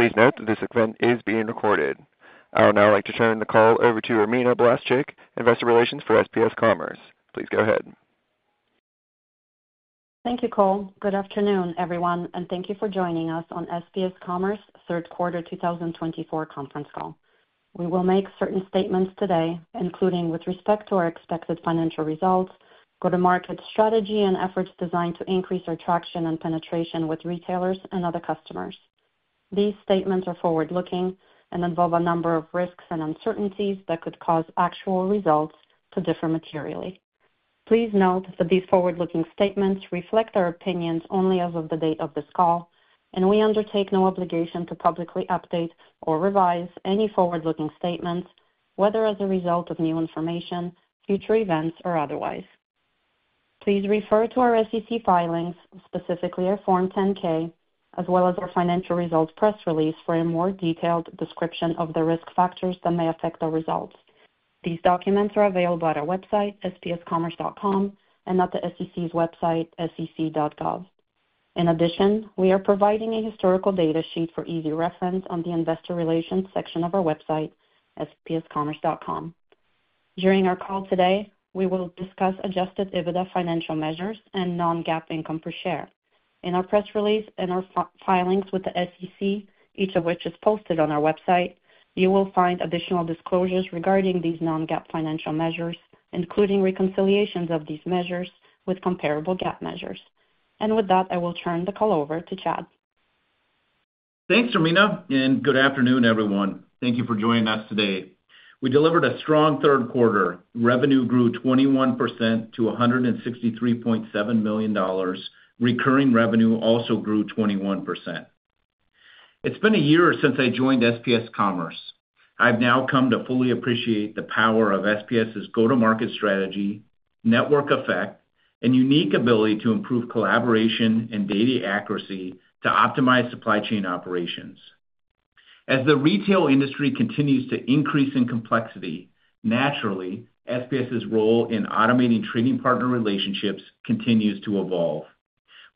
Please note that this event is being recorded. I would now like to turn the call over to Irmina Blaszczyk, Investor Relations for SPS Commerce. Please go ahead. Thank you, Cole. Good afternoon, everyone, and thank you for joining us on SPS Commerce third quarter two thousand and twenty-four conference call. We will make certain statements today, including with respect to our expected financial results, go-to-market strategy, and efforts designed to increase our traction and penetration with retailers and other customers. These statements are forward-looking and involve a number of risks and uncertainties that could cause actual results to differ materially. Please note that these forward-looking statements reflect our opinions only as of the date of this call, and we undertake no obligation to publicly update or revise any forward-looking statements, whether as a result of new information, future events, or otherwise. Please refer to our SEC filings, specifically our Form 10-K, as well as our financial results press release for a more detailed description of the risk factors that may affect our results. These documents are available at our website, spscommerce.com, and at the SEC's website, sec.gov. In addition, we are providing a historical data sheet for easy reference on the Investor Relations section of our website, spscommerce.com. During our call today, we will discuss Adjusted EBITDA financial measures and non-GAAP income per share. In our press release and our filings with the SEC, each of which is posted on our website, you will find additional disclosures regarding these non-GAAP financial measures, including reconciliations of these measures with comparable GAAP measures. With that, I will turn the call over to Chad. Thanks, Irmina, and good afternoon, everyone. Thank you for joining us today. We delivered a strong third quarter. Revenue grew 21% to $163.7 million. Recurring revenue also grew 21%. It's been a year since I joined SPS Commerce. I've now come to fully appreciate the power of SPS's go-to-market strategy, network effect, and unique ability to improve collaboration and data accuracy to optimize supply chain operations. As the retail industry continues to increase in complexity, naturally, SPS's role in automating trading partner relationships continues to evolve.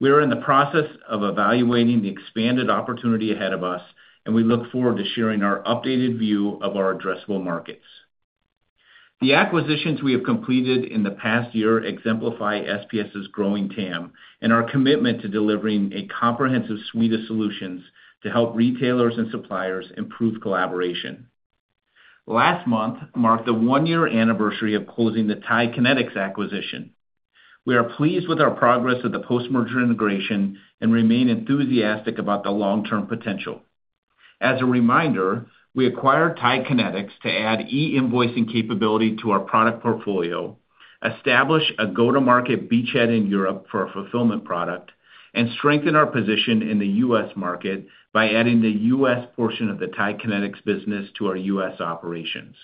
We are in the process of evaluating the expanded opportunity ahead of us, and we look forward to sharing our updated view of our addressable markets. The acquisitions we have completed in the past year exemplify SPS's growing TAM and our commitment to delivering a comprehensive suite of solutions to help retailers and suppliers improve collaboration. Last month marked the one-year anniversary of closing the TIE Kinetix acquisition. We are pleased with our progress of the post-merger integration and remain enthusiastic about the long-term potential. As a reminder, we acquired TIE Kinetix to add e-invoicing capability to our product portfolio, establish a go-to-market beachhead in Europe for our fulfillment product, and strengthen our position in the U.S. market by adding the U.S. portion of the TIE Kinetix business to our U.S. operations.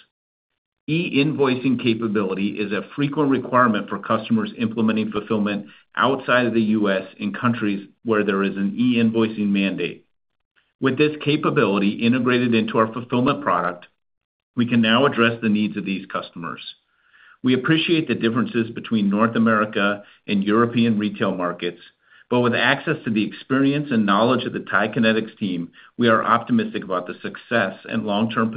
E-invoicing capability is a frequent requirement for customers implementing fulfillment outside of the U.S. in countries where there is an e-invoicing mandate. With this capability integrated into our fulfillment product, we can now address the needs of these customers. We appreciate the differences between North America and European retail markets, but with access to the experience and knowledge of the TIE Kinetix team, we are optimistic about the success and long-term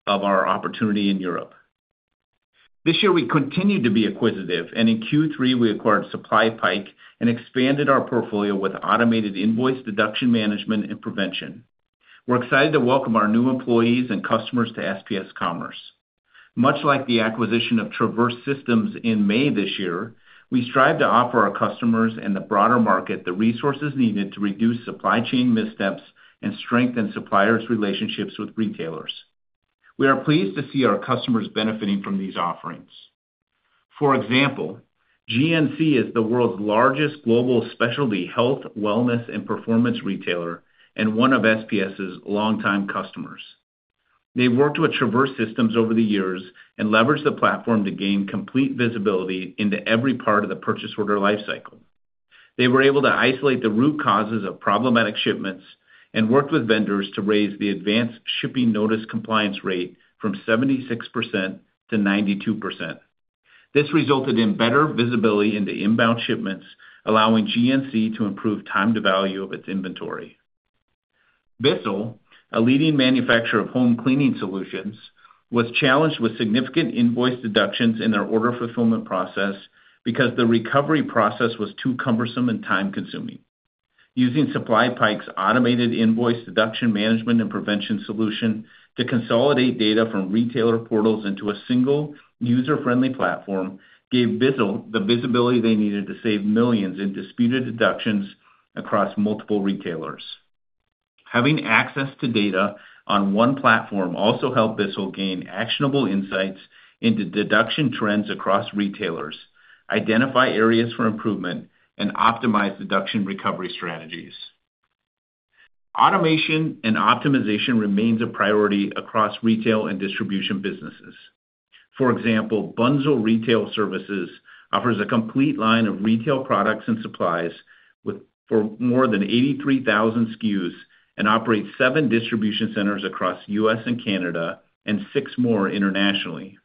potential of our opportunity in Europe. This year, we continued to be acquisitive, and in Q3, we acquired SupplyPike and expanded our portfolio with automated invoice deduction management and prevention. We're excited to welcome our new employees and customers to SPS Commerce. Much like the acquisition of Traverse Systems in May this year, we strive to offer our customers and the broader market the resources needed to reduce supply chain missteps and strengthen suppliers' relationships with retailers. We are pleased to see our customers benefiting from these offerings. For example, GNC is the world's largest global specialty health, wellness, and performance retailer and one of SPS's longtime customers. They've worked with Traverse Systems over the years, and leveraged the platform to gain complete visibility into every part of the purchase order lifecycle. They were able to isolate the root causes of problematic shipments and worked with vendors to raise the advanced shipping notice compliance rate from 76% to 92%. This resulted in better visibility into inbound shipments, allowing GNC to improve time to value of its inventory. Bissell, a leading manufacturer of home cleaning solutions, was challenged with significant invoice deductions in their order fulfillment process because the recovery process was too cumbersome and time-consuming. Using SupplyPike's automated invoice deduction management, and prevention solution to consolidate data from retailer portals into a single user-friendly platform gave Bissell the visibility they needed to save millions in disputed deductions across multiple retailers. Having access to data on one platform also helped Bissell gain actionable insights into deduction trends across retailers, identify areas for improvement, and optimize deduction recovery strategies. Automation and optimization remains a priority across retail and distribution businesses. For example, Bunzl Retail Services offers a complete line of retail products and supplies with for more than 83,000 SKUs, and operates seven distribution centers across the U.S. and Canada and six more internationally.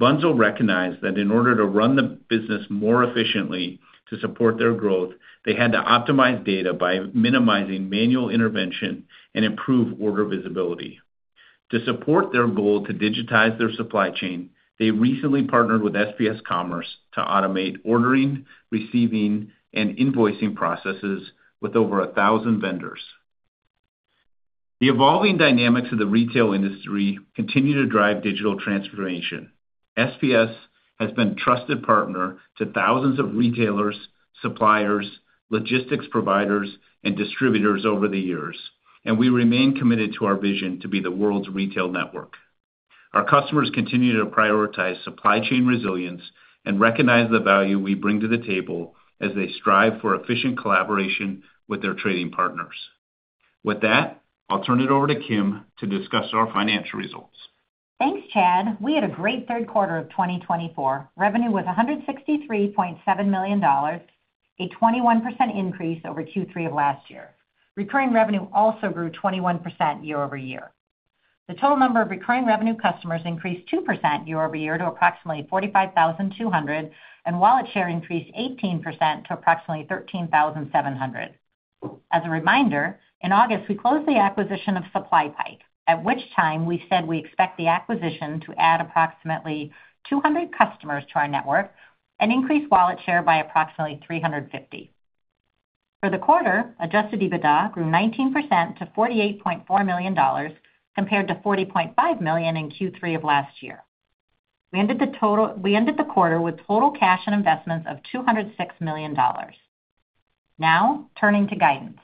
Bunzl recognized that in order to run the business more efficiently to support their growth, they had to optimize data by minimizing manual intervention and improve order visibility. To support their goal to digitize their supply chain, they recently partnered with SPS Commerce to automate ordering, receiving, and invoicing processes with over 1,000 vendors. The evolving dynamics of the retail industry continue to drive digital transformation. SPS has been a trusted partner to thousands of retailers, suppliers, logistics providers, and distributors over the years, and we remain committed to our vision to be the world's retail network. Our customers continue to prioritize supply chain resilience and recognize the value we bring to the table as they strive for efficient collaboration with their trading partners. With that, I'll turn it over to Kim to discuss our financial results. Thanks, Chad. We had a great third quarter of 2024. Revenue was $163.7 million, a 21% increase over Q3 of last year. Recurring revenue also grew 21% year- over- year. The total number of recurring revenue customers increased 2% year over year to approximately 45,200, and wallet share increased 18% to approximately 13,700. As a reminder, in August, we closed the acquisition of SupplyPike, at which time we said we expect the acquisition to add approximately 200 customers to our network and increase wallet share by approximately 350. For the quarter, Adjusted EBITDA grew 19% to $48.4 million, compared to $40.5 million in Q3 of last year. We ended the quarter with total cash and investments of $206 million. Now, turning to guidance.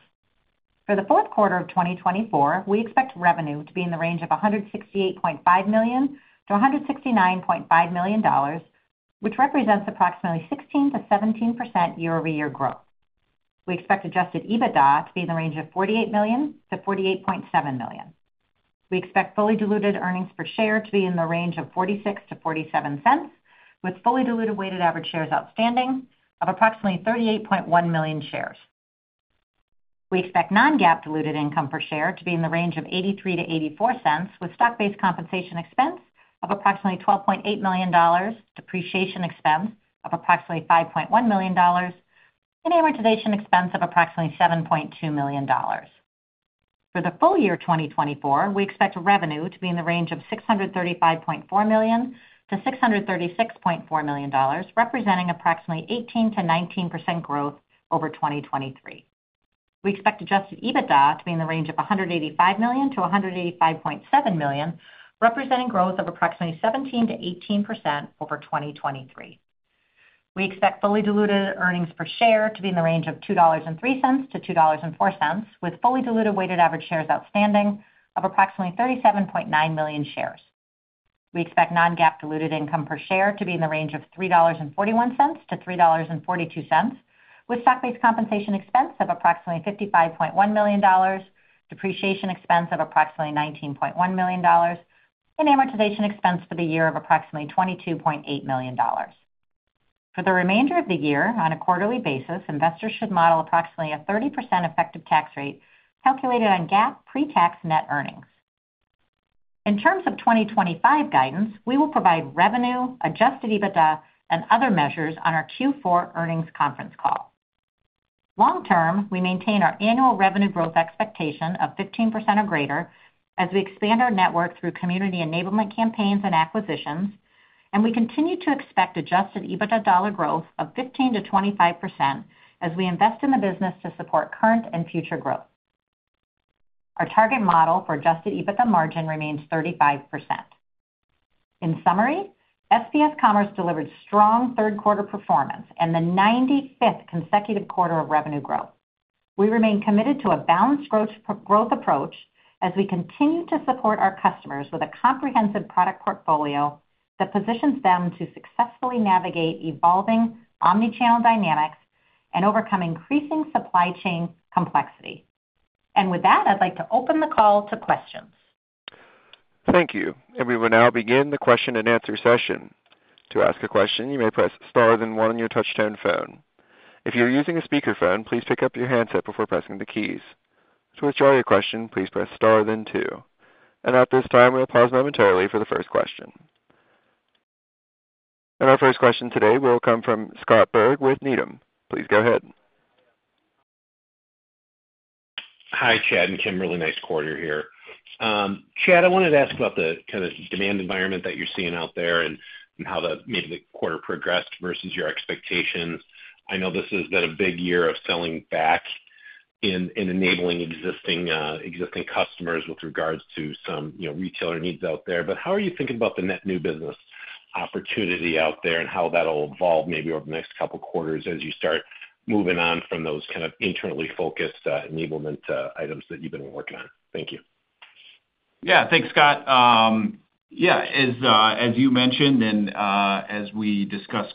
For the fourth quarter of 2024, we expect revenue to be in the range of $168.5 million-$169.5 million, which represents approximately 16%-17% year-over-year growth. We expect adjusted EBITDA to be in the range of $48 million-$48.7 million. We expect fully diluted earnings per share to be in the range of $0.46-$0.47, with fully diluted weighted average shares outstanding of approximately 38.1 million shares. We expect non-GAAP diluted income per share to be in the range of $0.83-$0.84, with stock-based compensation expense of approximately $12.8 million, depreciation expense of approximately $5.1 million, and amortization expense of approximately $7.2 million. For the full year 2024, we expect revenue to be in the range of $635.4 million-$636.4 million, representing approximately 18%-19% growth over 2023. We expect Adjusted EBITDA to be in the range of $185 million-$185.7 million, representing growth of approximately 17%-18% over 2023. We expect fully diluted earnings per share to be in the range of $2.03 to $2.04, with fully diluted weighted average shares outstanding of approximately 37.9 million shares. We expect non-GAAP diluted income per share to be in the range of $3.41 to $3.42, with stock-based compensation expense of approximately $55.1 million, depreciation expense of approximately $19.1 million, and amortization expense for the year of approximately $22.8 million. For the remainder of the year, on a quarterly basis, investors should model approximately a 30% effective tax rate calculated on GAAP pre-tax net earnings. In terms of 2025 guidance, we will provide revenue, adjusted EBITDA, and other measures on our Q4 earnings conference call. Long term, we maintain our annual revenue growth expectation of 15% or greater as we expand our network through Community Enablement campaigns and acquisitions, and we continue to expect adjusted EBITDA dollar growth of 15%-25% as we invest in the business to support current and future growth. Our target model for adjusted EBITDA margin remains 35%. In summary, SPS Commerce delivered strong third quarter performance and the ninety-fifth consecutive quarter of revenue growth. We remain committed to a balanced growth approach as we continue to support our customers with a comprehensive product portfolio that positions them to successfully navigate evolving omni-channel dynamics and overcome increasing supply chain complexity, and with that, I'd like to open the call to questions. Thank you. And we will now begin the question and answer session. To ask a question, you may press star then one on your touchtone phone. If you're using a speakerphone, please pick up your handset before pressing the keys. To withdraw your question, please press star, then two. And at this time, we'll pause momentarily for the first question. And our first question today will come from Scott Berg with Needham. Please go ahead. Hi, Chad and Kim, really nice quarter here. Chad, I wanted to ask about the kind of demand environment that you're seeing out there and how maybe the quarter progressed versus your expectations. I know this has been a big year of selling back in enabling existing customers with regards to some, you know, retailer needs out there. But how are you thinking about the net new business opportunity out there and how that'll evolve maybe over the next couple quarters as you start moving on from those kind of internally focused enablement items that you've been working on? Thank you. Yeah, thanks, Scott. Yeah, as you mentioned, and as we discussed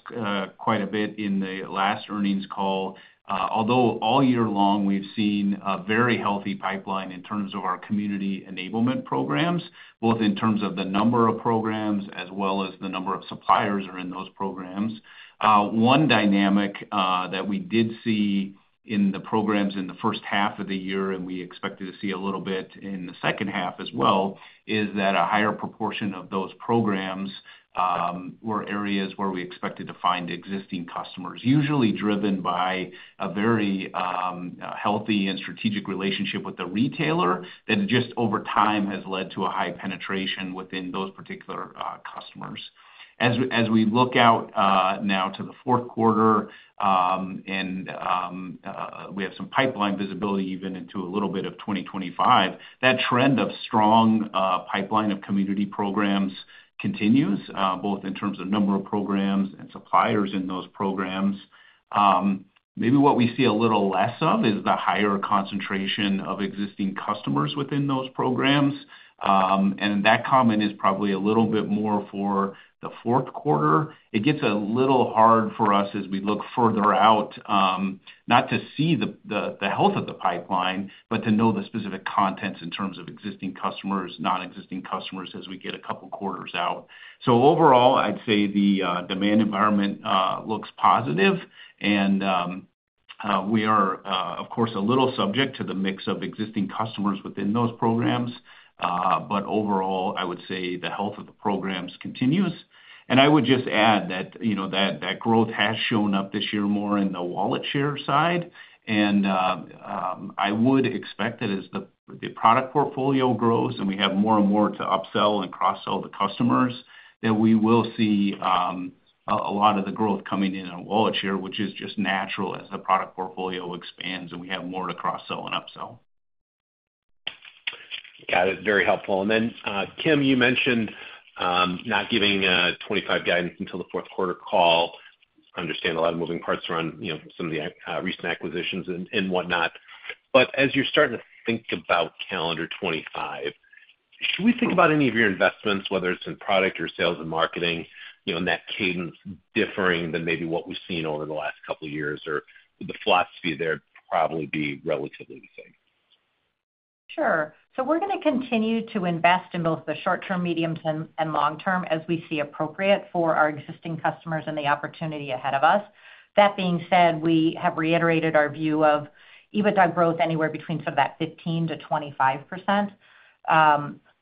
quite a bit in the last earnings call, although all year long, we've seen a very healthy pipeline in terms of our community enablement programs, both in terms of the number of programs as well as the number of suppliers are in those programs. One dynamic that we did see in the programs in the first half of the year, and we expected to see a little bit in the second half as well, is that a higher proportion of those programs were areas where we expected to find existing customers, usually driven by a very healthy and strategic relationship with the retailer that just over time has led to a high penetration within those particular customers. As we look out now to the fourth quarter, and we have some pipeline visibility even into a little bit of twenty twenty-five, that trend of strong pipeline of community programs continues both in terms of number of programs and suppliers in those programs. Maybe what we see a little less of is the higher concentration of existing customers within those programs. And that comment is probably a little bit more for the fourth quarter. It gets a little hard for us as we look further out, not to see the health of the pipeline, but to know the specific contents in terms of existing customers, non-existing customers, as we get a couple of quarters out. So overall, I'd say the demand environment looks positive, and we are, of course, a little subject to the mix of existing customers within those programs. But overall, I would say the health of the programs continues. And I would just add that, you know, that growth has shown up this year more in the wallet share side. And I would expect that as the product portfolio grows and we have more and more to upsell and cross-sell the customers, that we will see a lot of the growth coming in on wallet share, which is just natural as the product portfolio expands, and we have more to cross-sell and upsell. Got it. Very helpful. And then, Kim, you mentioned not giving 25 guidance until the fourth quarter call. I understand a lot of moving parts around, you know, some of the recent acquisitions and whatnot. But as you're starting to think about calendar 25, should we think about any of your investments, whether it's in product or sales and marketing, you know, in that cadence differing than maybe what we've seen over the last couple of years, or the philosophy there would probably be relatively the same? Sure. So we're gonna continue to invest in both the short term, medium term, and long term as we see appropriate for our existing customers and the opportunity ahead of us. That being said, we have reiterated our view of EBITDA growth anywhere between sort of that 15%-25%.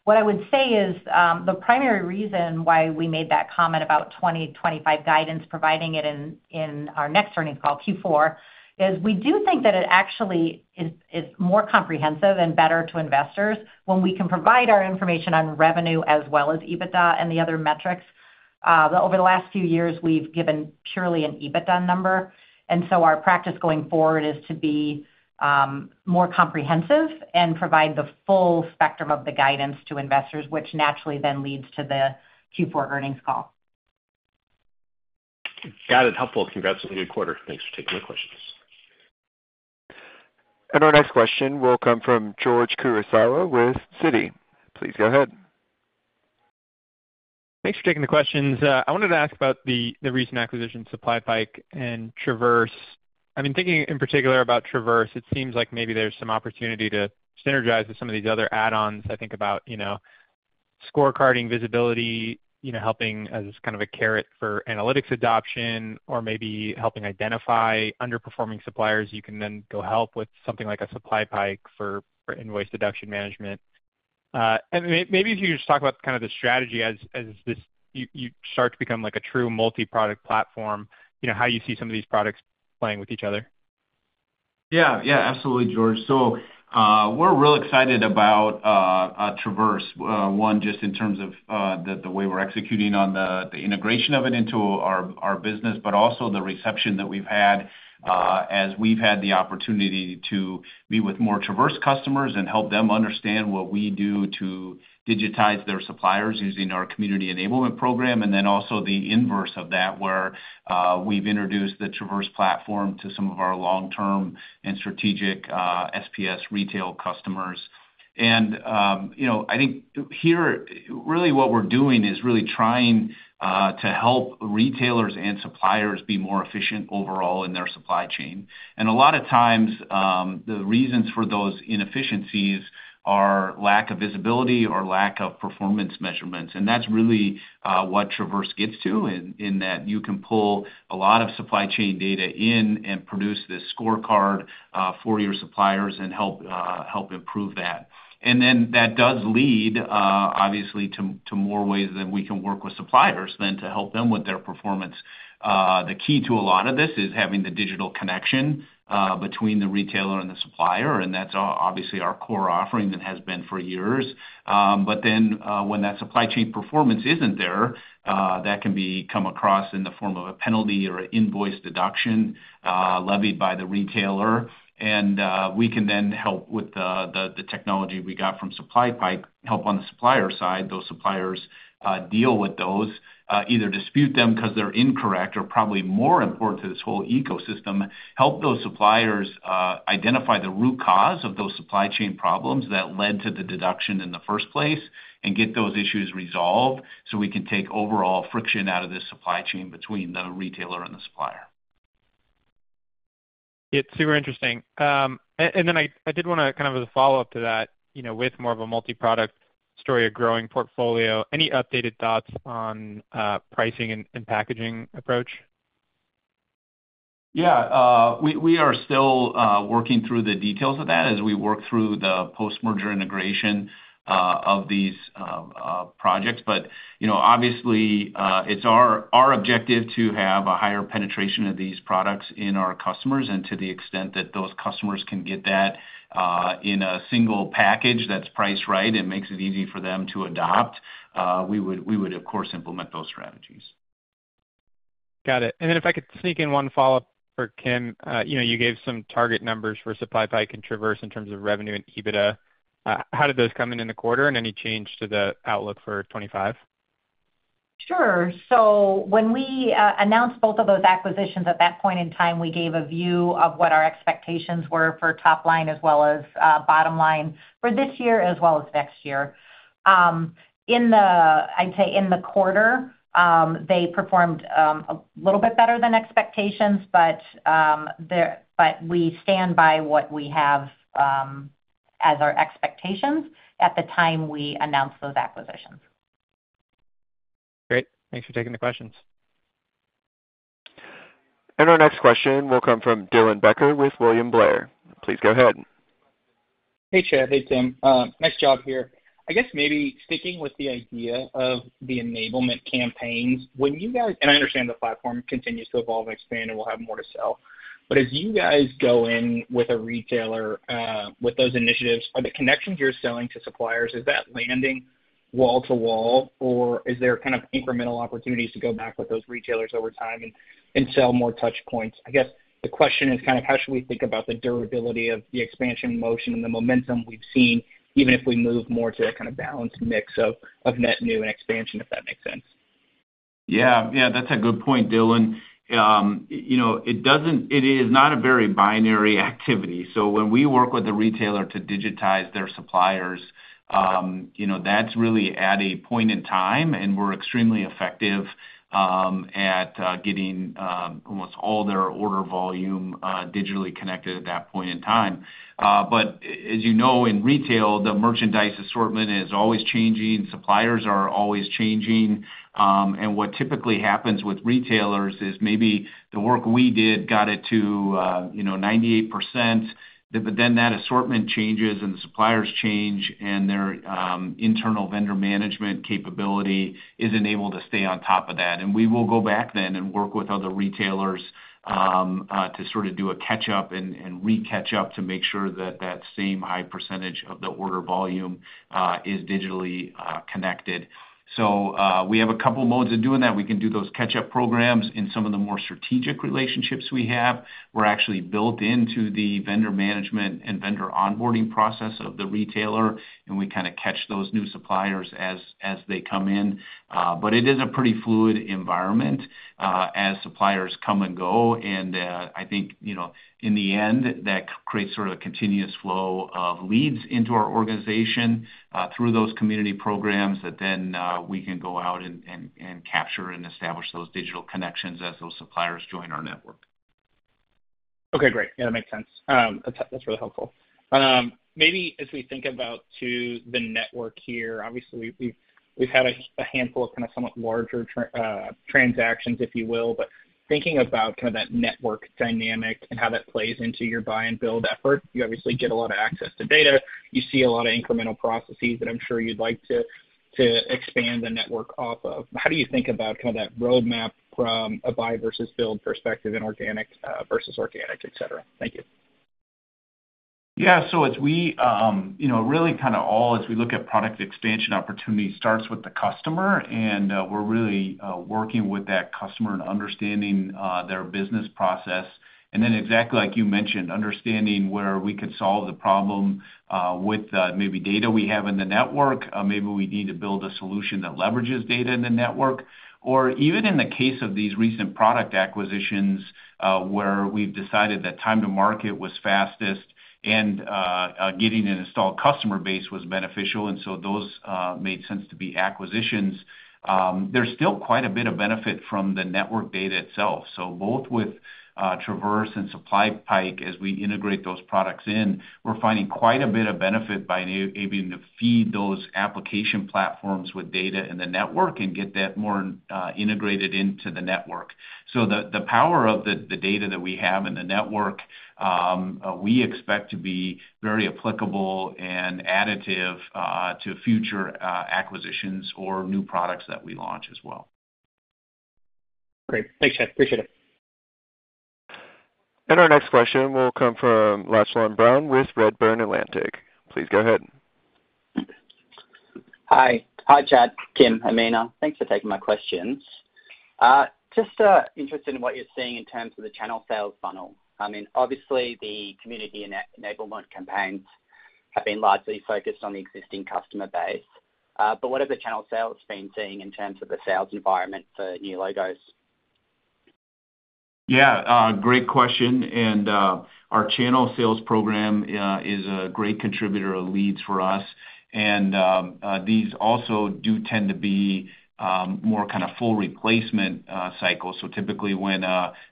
What I would say is, the primary reason why we made that comment about 2025 guidance, providing it in our next earnings call, Q4, is we do think that it actually is more comprehensive and better to investors when we can provide our information on revenue as well as EBITDA and the other metrics. But over the last few years, we've given purely an EBITDA number, and so our practice going forward is to be more comprehensive and provide the full spectrum of the guidance to investors, which naturally then leads to the Q4 earnings call. Got it. Helpful. Congrats on a good quarter. Thanks for taking the questions. Our next question will come from George Kurosawa with Citi. Please go ahead. Thanks for taking the questions. I wanted to ask about the recent acquisition, SupplyPike and Traverse. I mean, thinking in particular about Traverse, it seems like maybe there's some opportunity to synergize with some of these other add-ons. I think about, you know, scorecarding visibility, you know, helping as kind of a carrot for analytics adoption or maybe helping identify underperforming suppliers. You can then go help with something like a SupplyPike for invoice deduction management. And maybe if you just talk about kind of the strategy as you start to become like a true multi-product platform, you know, how you see some of these products playing with each other. Yeah. Yeah, absolutely, George. So, we're real excited about Traverse. One, just in terms of the way we're executing on the integration of it into our business, but also the reception that we've had as we've had the opportunity to be with more Traverse customers and help them understand what we do to digitize their suppliers using our community enablement program, and then also the inverse of that, where we've introduced the Traverse platform to some of our long-term and strategic SPS retail customers. And, you know, I think here, really what we're doing is really trying to help retailers and suppliers be more efficient overall in their supply chain. And a lot of times, the reasons for those inefficiencies are lack of visibility or lack of performance measurements, and that's really what Traverse gets to, in that you can pull a lot of supply chain data in and produce this scorecard for your suppliers and help improve that. And then that does lead, obviously, to more ways that we can work with suppliers than to help them with their performance. The key to a lot of this is having the digital connection between the retailer and the supplier, and that's obviously our core offering and has been for years. But then, when that supply chain performance isn't there, that can come across in the form of a penalty or an invoice deduction levied by the retailer. We can then help with the technology we got from SupplyPike, help on the supplier side. Those suppliers deal with those, either dispute them 'cause they're incorrect, or probably more important to this whole ecosystem, help those suppliers identify the root cause of those supply chain problems that led to the deduction in the first place and get those issues resolved, so we can take overall friction out of this supply chain between the retailer and the supplier.... It's super interesting. And then I did wanna kind of as a follow-up to that, you know, with more of a multi-product story, a growing portfolio, any updated thoughts on pricing and packaging approach? Yeah, we are still working through the details of that as we work through the post-merger integration of these projects, but you know, obviously, it's our objective to have a higher penetration of these products in our customers, and to the extent that those customers can get that in a single package that's priced right and makes it easy for them to adopt, we would, of course, implement those strategies. Got it. And then if I could sneak in one follow-up for Kim. You know, you gave some target numbers for SupplyPike and Traverse in terms of revenue and EBITDA. How did those come in in the quarter, and any change to the outlook for '25? Sure. So when we announced both of those acquisitions, at that point in time, we gave a view of what our expectations were for top line as well as bottom line for this year, as well as next year. In the quarter, I'd say they performed a little bit better than expectations, but we stand by what we have as our expectations at the time we announced those acquisitions. Great. Thanks for taking the questions. Our next question will come from Dylan Becker with William Blair. Please go ahead. Hey, Chad. Hey, Kim. Nice job here. I guess maybe sticking with the idea of the enablement campaigns, when you guys... And I understand the platform continues to evolve and expand, and we'll have more to sell. But as you guys go in with a retailer, with those initiatives, are the connections you're selling to suppliers, is that landing wall-to-wall, or is there kind of incremental opportunities to go back with those retailers over time and sell more touch points? I guess the question is kind of how should we think about the durability of the expansion motion and the momentum we've seen, even if we move more to a kind of balanced mix of net new and expansion, if that makes sense? Yeah, yeah, that's a good point, Dylan. You know, it doesn't. It is not a very binary activity. So when we work with a retailer to digitize their suppliers, you know, that's really at a point in time, and we're extremely effective at getting almost all their order volume digitally connected at that point in time. But as you know, in retail, the merchandise assortment is always changing, suppliers are always changing, and what typically happens with retailers is maybe the work we did got it to, you know, 98%, but then that assortment changes, and the suppliers change, and their internal vendor management capability isn't able to stay on top of that. And we will go back then and work with other retailers, to sort of do a catch up and re-catch up to make sure that that same high percentage of the order volume, is digitally, connected. So, we have a couple modes of doing that. We can do those catch-up programs in some of the more strategic relationships we have. We're actually built into the vendor management and vendor onboarding process of the retailer, and we kind of catch those new suppliers as they come in. But it is a pretty fluid environment, as suppliers come and go, and I think, you know, in the end, that creates sort of a continuous flow of leads into our organization through those community programs that then we can go out and capture and establish those digital connections as those suppliers join our network. Okay, great. Yeah, that makes sense. That's really helpful. Maybe as we think about, too, the network here, obviously, we've had a handful of kind of somewhat larger transactions, if you will. But thinking about kind of that network dynamic and how that plays into your buy and build effort, you obviously get a lot of access to data, you see a lot of incremental processes that I'm sure you'd like to expand the network off of. How do you think about kind of that roadmap from a buy versus build perspective and organic versus organic, et cetera? Thank you. Yeah. So as we, you know, really kind of all, as we look at product expansion opportunities, starts with the customer, and we're really working with that customer and understanding their business process. And then exactly like you mentioned, understanding where we could solve the problem with maybe data we have in the network, maybe we need to build a solution that leverages data in the network. Or even in the case of these recent product acquisitions, where we've decided that time to market was fastest, and getting an installed customer base was beneficial, and so those made sense to be acquisitions, there's still quite a bit of benefit from the network data itself. Both with Traverse and SupplyPike, as we integrate those products in, we're finding quite a bit of benefit by being able to feed those application platforms with data in the network and get that more integrated into the network. The power of the data that we have in the network we expect to be very applicable and additive to future acquisitions or new products that we launch as well. Great. Thanks, Chad. Appreciate it. And our next question will come from Lachlan Brown with Redburn Atlantic. Please go ahead. Hi. Hi, Chad, Kim, Irmina. Thanks for taking my questions. Just interested in what you're seeing in terms of the channel sales funnel. I mean, obviously, the community and enablement campaigns have been largely focused on the existing customer base, but what have the channel sales been seeing in terms of the sales environment for new logos? Yeah, great question. And, our channel sales program, is a great contributor of leads for us. And, these also do tend to be, more kind of full replacement, cycles. So typically when,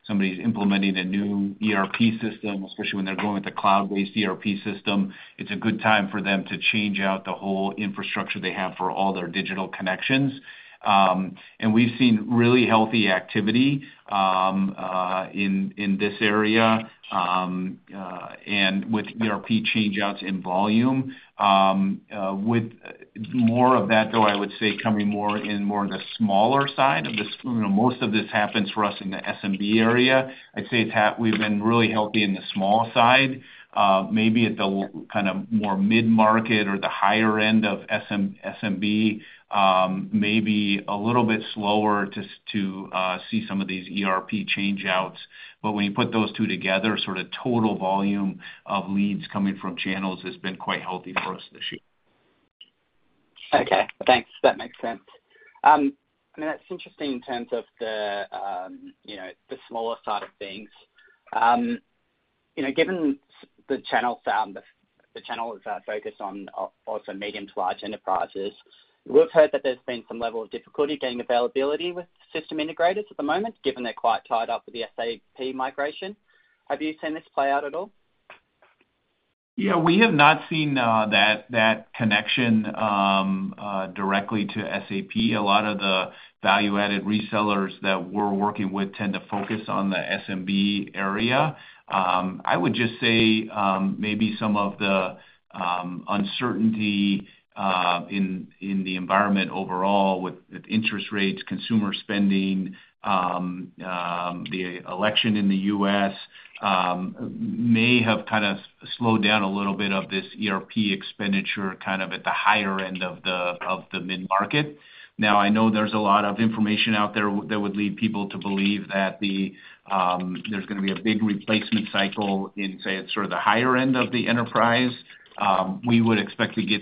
somebody's implementing a new ERP system, especially when they're going with the cloud-based ERP system, it's a good time for them to change out the whole infrastructure they have for all their digital connections. And we've seen really healthy activity, in this area, and with ERP change outs in volume. With more of that, though, I would say coming more in the smaller side of this, you know, most of this happens for us in the SMB area. I'd say it's we've been really healthy in the small side. Maybe kind of more mid-market or the higher end of SMB, maybe a little bit slower to see some of these ERP change outs. But when you put those two together, sort of total volume of leads coming from channels has been quite healthy for us this year. Okay, thanks. That makes sense. I mean, that's interesting in terms of the, you know, the smaller side of things. You know, given the channel, so the channel is focused on also medium to large enterprises. We've heard that there's been some level of difficulty getting availability with system integrators at the moment, given they're quite tied up with the SAP migration. Have you seen this play out at all? Yeah, we have not seen that connection directly to SAP. A lot of the value-added resellers that we're working with tend to focus on the SMB area. I would just say maybe some of the uncertainty in the environment overall with interest rates, consumer spending, the election in the U.S., may have kind of slowed down a little bit of this ERP expenditure, kind of at the higher end of the mid-market. Now, I know there's a lot of information out there that would lead people to believe that there's gonna be a big replacement cycle in, say, sort of the higher end of the enterprise. We would expect to get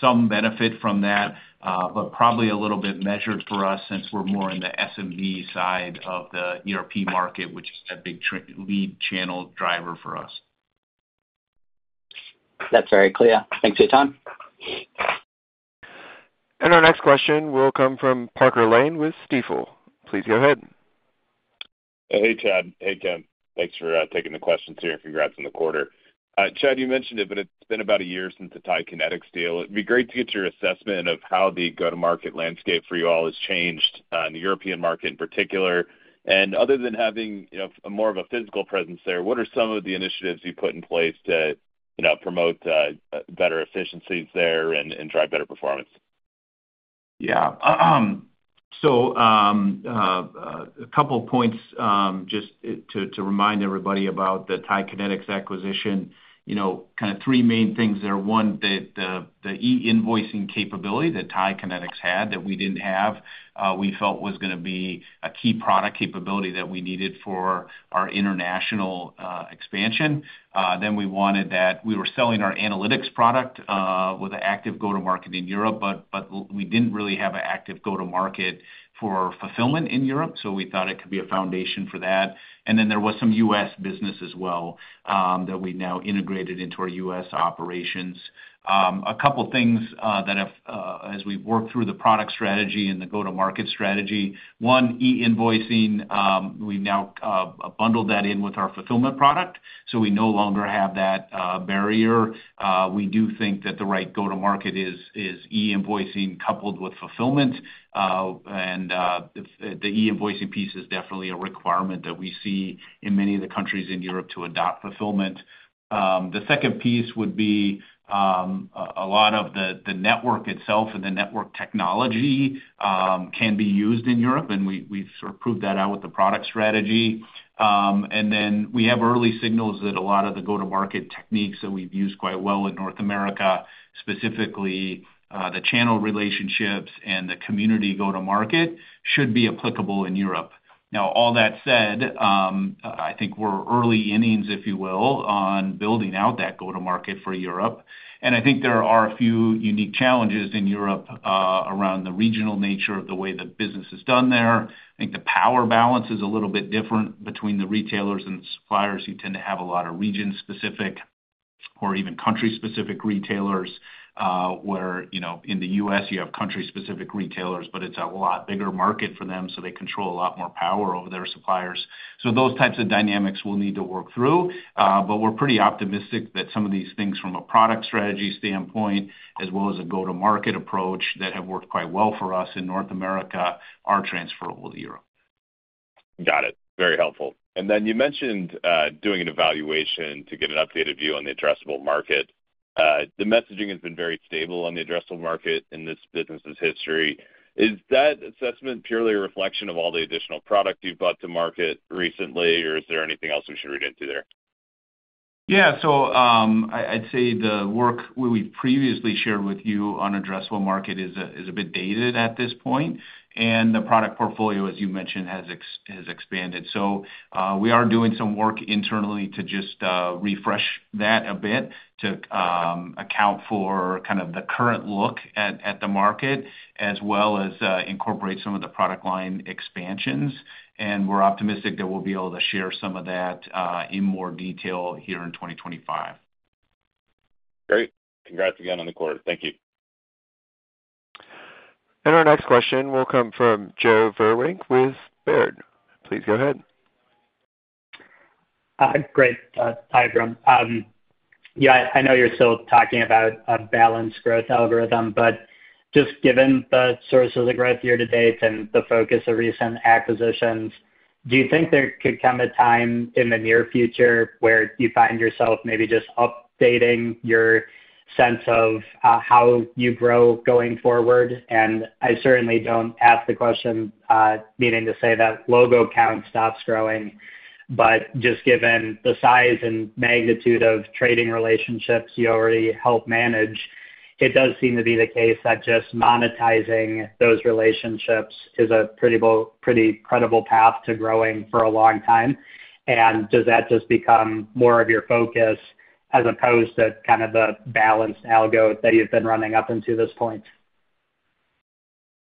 some benefit from that, but probably a little bit measured for us since we're more in the SMB side of the ERP market, which is a big lead channel driver for us. That's very clear. Thanks for your time. Our next question will come from Parker Lane with Stifel. Please go ahead. Hey, Chad. Hey, Kim. Thanks for taking the questions here, and congrats on the quarter. Chad, you mentioned it, but it's been about a year since the TIE Kinetix deal. It'd be great to get your assessment of how the go-to-market landscape for you all has changed in the European market in particular. And other than having, you know, more of a physical presence there, what are some of the initiatives you've put in place to, you know, promote better efficiencies there and drive better performance? Yeah. So, a couple of points, just to remind everybody about the TIE Kinetix acquisition. You know, kind of three main things there. One, that the e-invoicing capability that TIE Kinetix had, that we didn't have, we felt was gonna be a key product capability that we needed for our international expansion. Then we wanted that. We were selling our analytics product with an active go-to-market in Europe, but we didn't really have an active go-to-market for fulfillment in Europe, so we thought it could be a foundation for that, and then there was some U.S. business as well, that we now integrated into our U.S. operations. A couple things that have, as we've worked through the product strategy and the go-to-market strategy, one, e-invoicing, we now bundled that in with our fulfillment product, so we no longer have that barrier. We do think that the right go-to-market is e-invoicing coupled with fulfillment, and the e-invoicing piece is definitely a requirement that we see in many of the countries in Europe to adopt fulfillment. The second piece would be a lot of the network itself and the network technology can be used in Europe, and we've sort of proved that out with the product strategy. And then we have early signals that a lot of the go-to-market techniques that we've used quite well in North America, specifically, the channel relationships and the community go-to-market, should be applicable in Europe. Now, all that said, I think we're early innings, if you will, on building out that go-to-market for Europe. And I think there are a few unique challenges in Europe, around the regional nature of the way that business is done there. I think the power balance is a little bit different between the retailers and suppliers, who tend to have a lot of region-specific or even country-specific retailers, where, you know, in the US, you have country-specific retailers, but it's a lot bigger market for them, so they control a lot more power over their suppliers. So those types of dynamics we'll need to work through, but we're pretty optimistic that some of these things from a product strategy standpoint, as well as a go-to-market approach, that have worked quite well for us in North America, are transferable to Europe. Got it. Very helpful. And then you mentioned doing an evaluation to get an updated view on the addressable market. The messaging has been very stable on the addressable market in this business's history. Is that assessment purely a reflection of all the additional product you've brought to market recently, or is there anything else we should read into there? Yeah. So I'd say the work we previously shared with you on addressable market is a bit dated at this point, and the product portfolio, as you mentioned, has expanded. So we are doing some work internally to just refresh that a bit, to account for kind of the current look at the market, as well as incorporate some of the product line expansions. And we're optimistic that we'll be able to share some of that in more detail here in 2025.... Great. Congrats again on the quarter. Thank you. And our next question will come from Joe Vruwink with Baird. Please go ahead. Great, hi, everyone. Yeah, I know you're still talking about a balanced growth algorithm, but just given the source of the growth year to date and the focus of recent acquisitions, do you think there could come a time in the near future where you find yourself maybe just updating your sense of how you grow going forward? And I certainly don't ask the question meaning to say that logo count stops growing. But just given the size and magnitude of trading relationships you already help manage, it does seem to be the case that just monetizing those relationships is a pretty credible path to growing for a long time. And does that just become more of your focus as opposed to kind of the balanced algo that you've been running up until this point?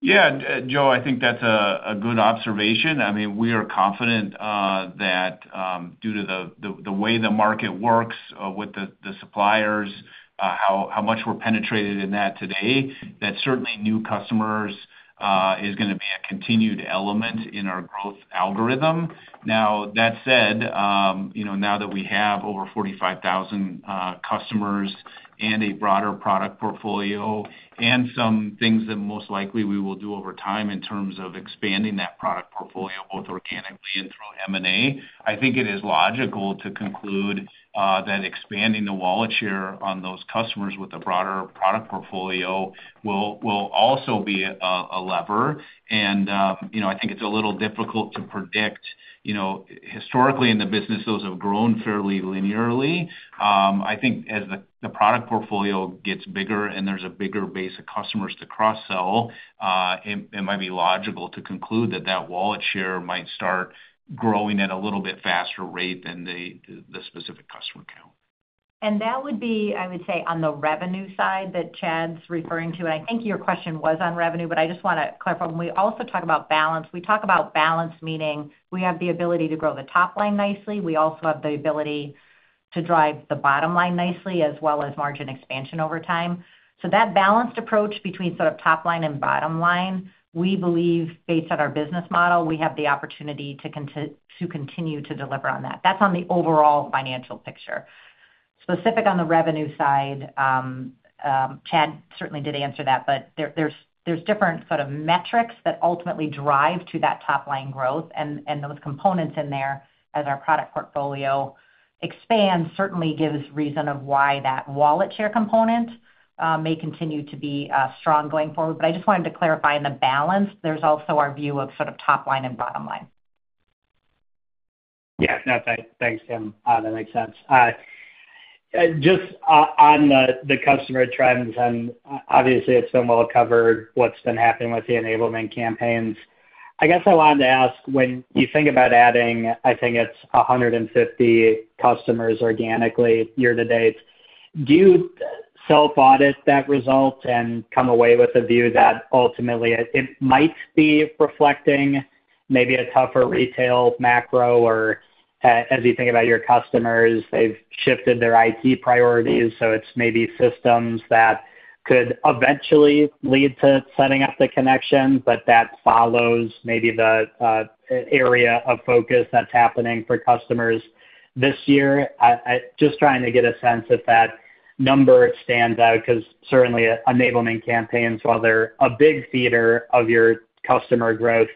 Yeah, Joe, I think that's a good observation. I mean, we are confident that due to the way the market works with the suppliers, how much we're penetrated in that today, that certainly new customers is gonna be a continued element in our growth algorithm. Now, that said, you know, now that we have over forty-five thousand customers and a broader product portfolio, and some things that most likely we will do over time in terms of expanding that product portfolio, both organically and through M&A, I think it is logical to conclude that expanding the wallet share on those customers with a broader product portfolio will also be a lever. And, you know, I think it's a little difficult to predict. You know, historically, in the business, those have grown fairly linearly. I think as the product portfolio gets bigger and there's a bigger base of customers to cross-sell, it might be logical to conclude that wallet share might start growing at a little bit faster rate than the specific customer count. That would be, I would say, on the revenue side that Chad's referring to, and I think your question was on revenue, but I just wanna clarify. When we also talk about balance, we talk about balance, meaning we have the ability to grow the top line nicely. We also have the ability to drive the bottom line nicely, as well as margin expansion over time. So that balanced approach between sort of top line and bottom line, we believe, based on our business model, we have the opportunity to continue to deliver on that. That's on the overall financial picture. Specific on the revenue side, Chad certainly did answer that, but there's different sort of metrics that ultimately drive to that top line growth. Those components in there, as our product portfolio expands, certainly gives reason of why that wallet share component may continue to be strong going forward. But I just wanted to clarify, in the balance, there's also our view of sort of top line and bottom line. Yeah. No, thanks, Kim. That makes sense. Just on the customer trends, and obviously, it's been well covered, what's been happening with the enablement campaigns. I guess I wanted to ask, when you think about adding, I think it's a hundred and fifty customers organically year to date, do you self-audit that result and come away with the view that ultimately it might be reflecting maybe a tougher retail macro, or as you think about your customers, they've shifted their IT priorities, so it's maybe systems that could eventually lead to setting up the connection, but that follows maybe the area of focus that's happening for customers this year? I'm just trying to get a sense if that number stands out, 'cause certainly enablement campaigns, while they're a big theater of your customer growth,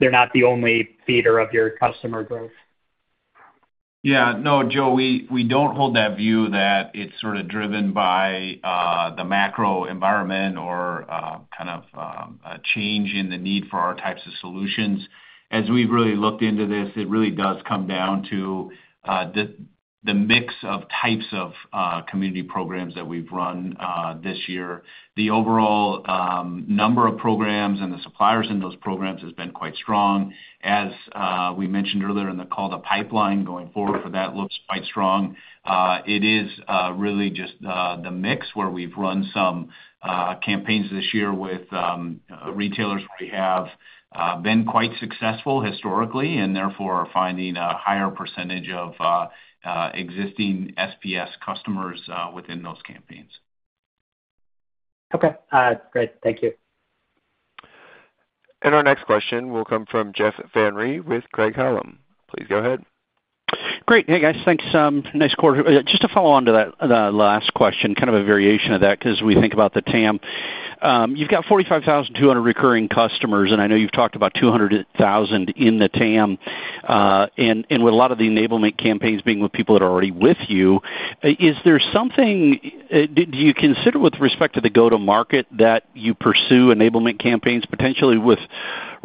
they're not the only theater of your customer growth. Yeah, no, Joe, we, we don't hold that view that it's sort of driven by the macro environment or kind of a change in the need for our types of solutions. As we've really looked into this, it really does come down to the mix of types of community programs that we've run this year. The overall number of programs and the suppliers in those programs has been quite strong. As we mentioned earlier in the call, the pipeline going forward for that looks quite strong. It is really just the mix, where we've run some campaigns this year with retailers where we have been quite successful historically, and therefore, are finding a higher percentage of existing SPS customers within those campaigns. Okay. Great, thank you. Our next question will come from Jeff Van Rhee with Craig-Hallum. Please go ahead. Great. Hey, guys, thanks, nice quarter. Just to follow on to that, the last question, kind of a variation of that, 'cause we think about the TAM. You've got 45,200 recurring customers, and I know you've talked about 200,000 in the TAM. And with a lot of the enablement campaigns being with people that are already with you, is there something... Do you consider, with respect to the go-to-market, that you pursue enablement campaigns, potentially with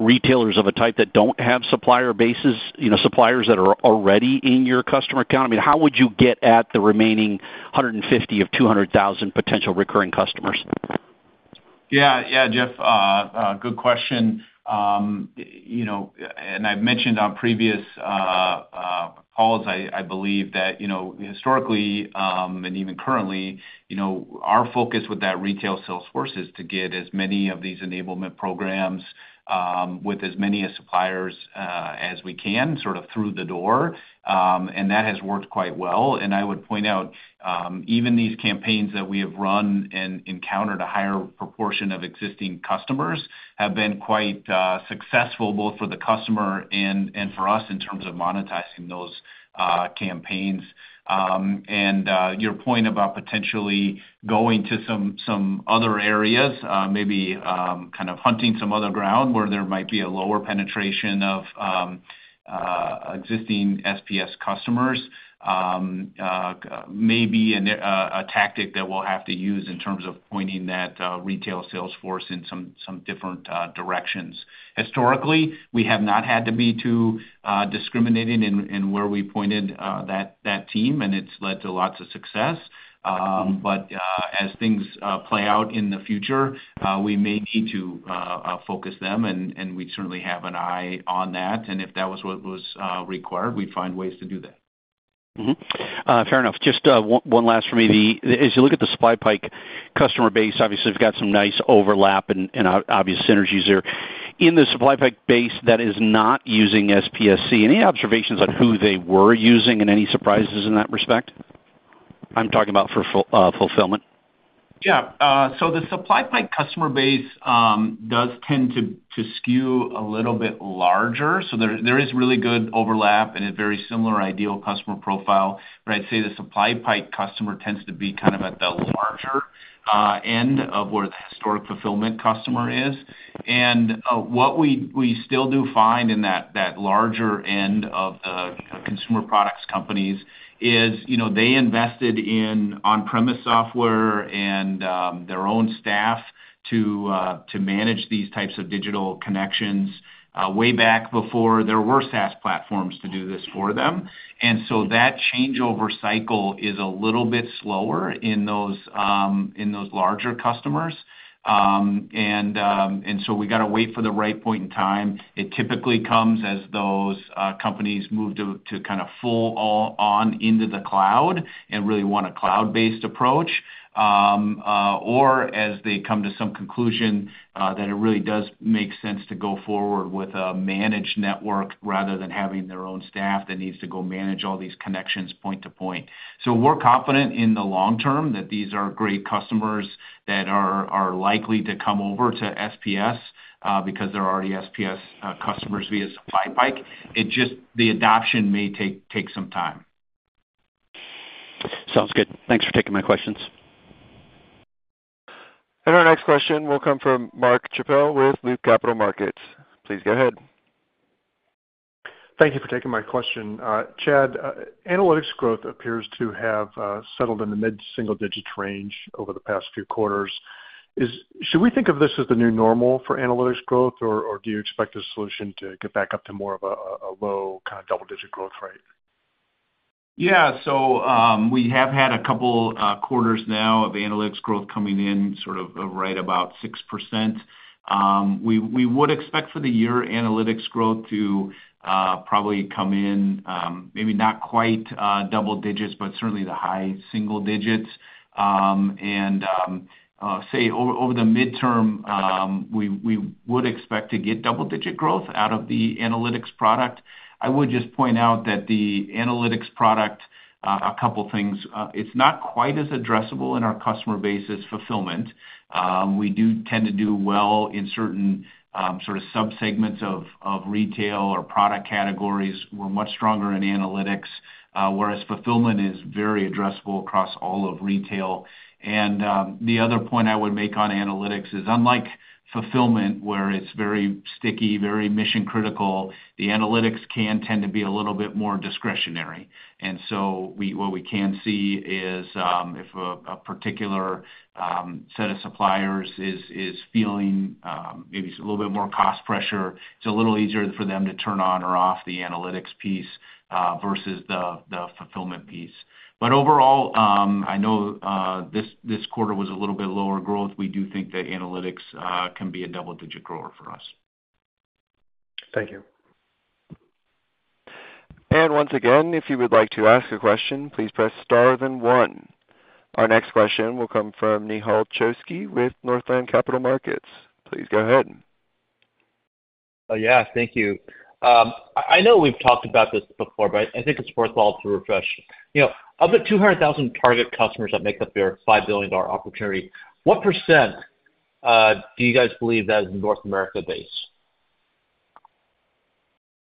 retailers of a type that don't have supplier bases, you know, suppliers that are already in your customer account? I mean, how would you get at the remaining 150,000 of 200,000 potential recurring customers? Yeah, yeah, Jeff, a good question. You know, and I've mentioned on previous calls, I believe that, you know, historically, and even currently you know, our focus with that retail sales force is to get as many of these enablement programs with as many suppliers as we can sort of through the door. And that has worked quite well. And I would point out, even these campaigns that we have run and encountered a higher proportion of existing customers have been quite successful, both for the customer and for us, in terms of monetizing those campaigns. and your point about potentially going to some other areas, maybe kind of hunting some other ground where there might be a lower penetration of existing SPS customers, maybe and a tactic that we'll have to use in terms of pointing that retail sales force in some different directions. Historically, we have not had to be too discriminating in where we pointed that team, and it's led to lots of success, but as things play out in the future, we may need to focus them, and we certainly have an eye on that, and if that was what was required, we'd find ways to do that. Mm-hmm. Fair enough. Just one last for me. As you look at the SupplyPike customer base, obviously, you've got some nice overlap and obvious synergies there. In the SupplyPike base that is not using SPSC, any observations on who they were using and any surprises in that respect? I'm talking about for fulfillment. Yeah, so the SupplyPike customer base does tend to skew a little bit larger, so there is really good overlap and a very similar ideal customer profile. But I'd say the SupplyPike customer tends to be kind of at the larger end of where the historic fulfillment customer is. And what we still do find in that larger end of the consumer products companies is, you know, they invested in on-premise software and their own staff to manage these types of digital connections way back before there were SaaS platforms to do this for them. And so that changeover cycle is a little bit slower in those larger customers. And so we got to wait for the right point in time. It typically comes as those companies move to kind of fully all-in into the cloud and really want a cloud-based approach. Or as they come to some conclusion that it really does make sense to go forward with a managed network, rather than having their own staff that needs to go manage all these connections point to point. So we're confident in the long term that these are great customers that are likely to come over to SPS because they're already SPS customers via SupplyPike. It just, the adoption may take some time. Sounds good. Thanks for taking my questions. And our next question will come from Mark Schappel with Capital Markets. Please go ahead. Thank you for taking my question. Chad, analytics growth appears to have settled in the mid-single-digit range over the past few quarters. Should we think of this as the new normal for analytics growth, or do you expect the solution to get back up to more of a low kind of double-digit growth rate? Yeah. So, we have had a couple quarters now of analytics growth coming in sort of right about 6%. We would expect for the year analytics growth to probably come in maybe not quite double digits, but certainly the high single digits. And say over the midterm, we would expect to get double digit growth out of the analytics product. I would just point out that the analytics product a couple things. It's not quite as addressable in our customer base as fulfillment. We do tend to do well in certain sort of subsegments of retail or product categories. We're much stronger in analytics, whereas fulfillment is very addressable across all of retail. The other point I would make on analytics is, unlike fulfillment, where it's very sticky, very mission critical, the analytics can tend to be a little bit more discretionary. And so what we can see is, if a particular set of suppliers is feeling maybe it's a little bit more cost pressure, it's a little easier for them to turn on or off the analytics piece, versus the fulfillment piece. But overall, I know this quarter was a little bit lower growth. We do think that analytics can be a double-digit grower for us. Thank you. Once again, if you would like to ask a question, please press Star, then one. Our next question will come from Nehal Chokshi with Northland Capital Markets. Please go ahead. Yeah, thank you. I know we've talked about this before, but I think it's worthwhile to refresh. You know, of the 200,000 target customers that make up your $5 billion opportunity, what % do you guys believe that is North America-based?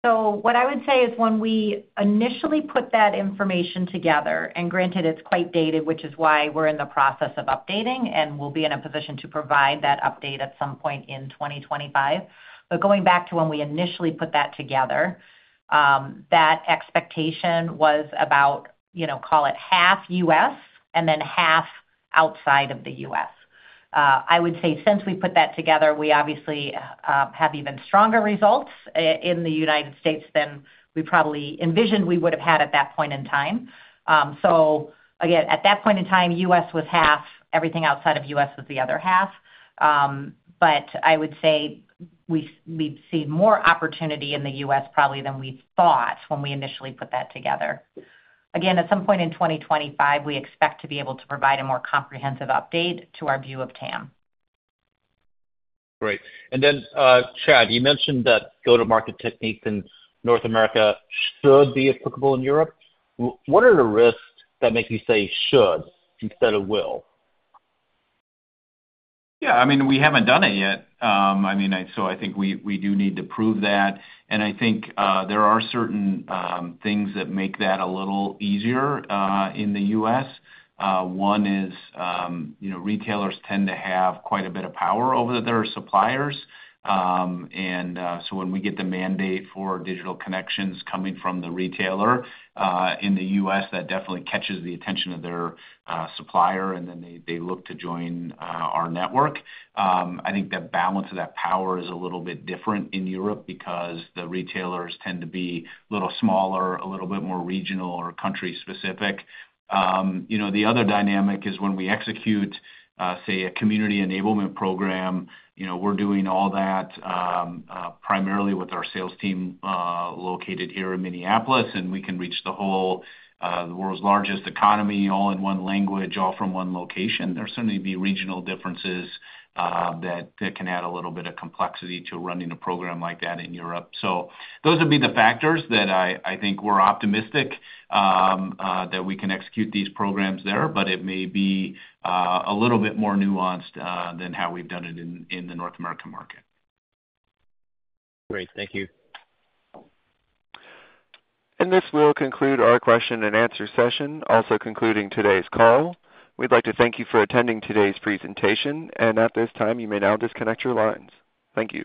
So what I would say is, when we initially put that information together, and granted it's quite dated, which is why we're in the process of updating, and we'll be in a position to provide that update at some point in 2025. But going back to when we initially put that together, that expectation was about, you know, call it half U.S. and then half outside of the U.S. I would say since we put that together, we obviously have even stronger results in the United States than we probably envisioned we would have had at that point in time. So again, at that point in time, U.S. was half, everything outside of U.S. was the other half. But I would say we see more opportunity in the U.S. probably than we thought when we initially put that together. Again, at some point in 2025, we expect to be able to provide a more comprehensive update to our view of TAM. Great. And then, Chad, you mentioned that go-to-market techniques in North America should be applicable in Europe. What are the risks that make you say should instead of will? Yeah, I mean, we haven't done it yet. I mean, so I think we do need to prove that. And I think there are certain things that make that a little easier in the US. One is, you know, retailers tend to have quite a bit of power over their suppliers. And so when we get the mandate for digital connections coming from the retailer in the US, that definitely catches the attention of their supplier, and then they look to join our network. I think the balance of that power is a little bit different in Europe because the retailers tend to be a little smaller, a little bit more regional or country specific. You know, the other dynamic is when we execute, say, a community enablement program, you know, we're doing all that primarily with our sales team located here in Minneapolis, and we can reach the whole, the world's largest economy, all in one language, all from one location. There certainly be regional differences, that that can add a little bit of complexity to running a program like that in Europe. So those would be the factors that I think we're optimistic, that we can execute these programs there, but it may be a little bit more nuanced than how we've done it in the North American market. Great, thank you. This will conclude our question and answer session, also concluding today's call. We'd like to thank you for attending today's presentation, and at this time, you may now disconnect your lines. Thank you.